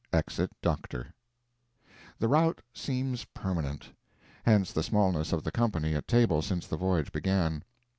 Exit doctor! The rout seems permanent; hence the smallness of the company at table since the voyage began.